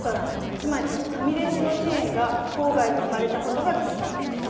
つまりファミレスのチェーンが郊外に生まれたことがきっかけです。